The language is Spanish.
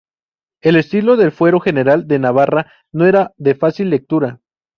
El estilo del Fuero General de Navarra no era de fácil lectura.